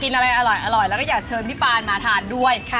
กินอะไรอร่อยอร่อยแล้วก็อยากเชิญพี่ปานมาทานด้วยค่ะ